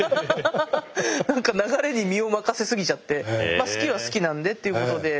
何か流れに身を任せ過ぎちゃってまあ好きは好きなんでっていうことで。